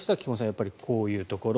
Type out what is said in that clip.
やっぱりこういうところ。